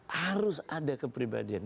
harus ada kepribadian